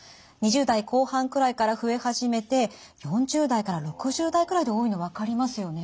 ２０代後半くらいから増え始めて４０代から６０代くらいで多いの分かりますよね。